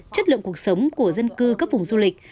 chất lượng cuộc sống của dân cư các vùng du lịch